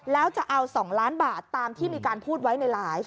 แล้วจะเอา๒ล้านบาทตามที่มีการพูดไว้ในไลฟ์